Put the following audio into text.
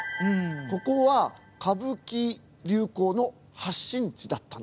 ここは歌舞伎流行の発信地だったんです。